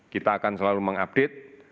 kita akan selalu mengupdate